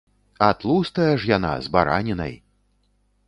А тлустая ж яна, з баранінай.